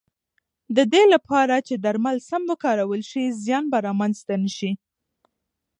د دې لپاره چې درمل سم وکارول شي، زیان به رامنځته نه شي.